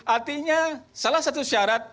artinya salah satu syarat